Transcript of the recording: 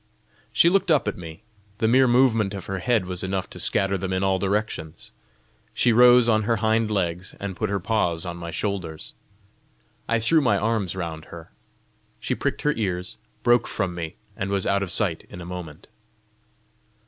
She looked up at me; the mere movement of her head was enough to scatter them in all directions. She rose on her hind legs, and put her paws on my shoulders; I threw my arms round her. She pricked her ears, broke from me, and was out of sight in a moment.